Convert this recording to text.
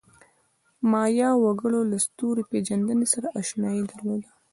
د مایا وګړو له ستوري پېژندنې سره آشنایي درلوده.